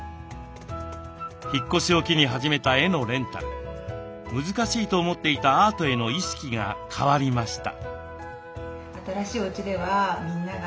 引っ越しを機に始めた絵のレンタル難しいと思っていたアートへの意識が変わりました。